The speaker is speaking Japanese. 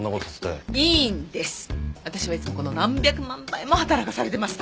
私はいつもこの何百万倍も働かされてます